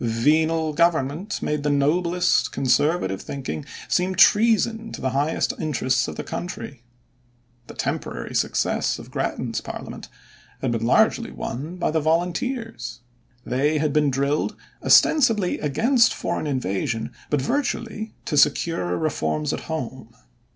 Venal government made the noblest conservative thinking seem treason to the highest interests of the country. The temporary success of Grattan's parliament had been largely won by the Volunteers. They had been drilled, ostensibly against foreign invasion, but virtually to secure reforms at home.